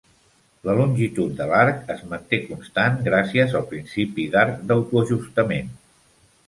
La longitud de l'arc es manté constant gràcies al principi d'arc d'autoajustament.